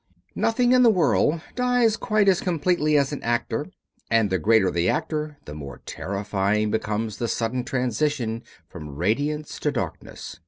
Nothing in the world dies quite as completely as an actor and the greater the actor the more terrifying becomes the sudden transition from radiance to darkness.